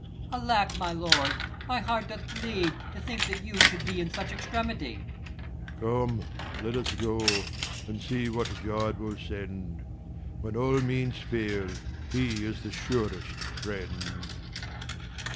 Alack, my lord, my heart doth bleed, to think 84 KING LEIR AND [Acr V That you should be in such extremity. Leir. Come, let us go, and see what God will send ; When all means fail, he is the surest friend.